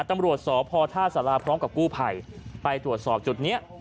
ตำรวจสพท่าสาราพร้อมกับกู้ภัยไปตรวจสอบจุดนี้